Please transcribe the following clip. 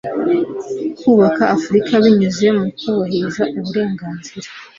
kubaka Afurika binyuze mu kubahiriza uburenganzira .